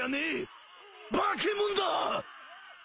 化け物だ！